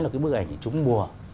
là cái bức ảnh chúng bùa